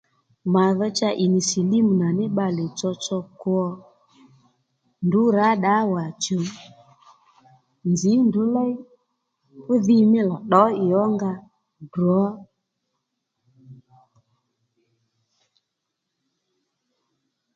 Mà dho cha ì nì silimu nà ní bbalè tsotso kwo ndrǔ rǎ ddawa djò nzǐ ndrǔ léy fú dhi mí lò ddǒ ì ó nga ddrǒ